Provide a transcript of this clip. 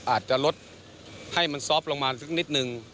อาจจะลดให้มันซอฟต์ลงมาสักนิดนึง